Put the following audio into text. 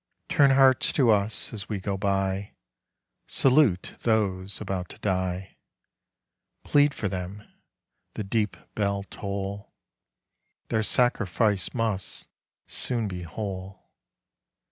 Turn hearts to us as we go by, Salute those about to die, Plead for them, the deep bell toll: Their sacrifice must soon be whole.